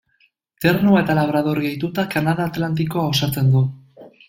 Ternua eta Labrador gehituta, Kanada Atlantikoa osatzen du.